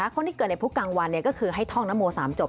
คนที่เกิดในพุธกลางวันก็คือให้ท่องนโม๓จบ